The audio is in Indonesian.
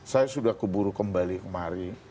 saya sudah keburu kembali kemari